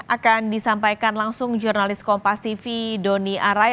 akan disampaikan langsung jurnalis kompas tv doni arai